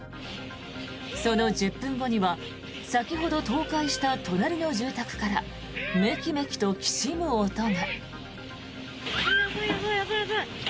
その１０分後には先ほど倒壊した隣の住宅からメキメキときしむ音が。